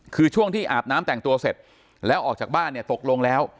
คือช่วงที่อาบน้ำแต่งตัวเสร็จแล้วออกจากบ้านเนี่ยตกลงแล้ว